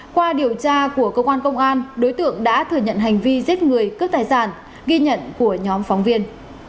qua điều tra của cơ quan công an đối tượng đã thừa nhận hành vi giết người cướp tài sản ghi nhận của nhóm phóng viên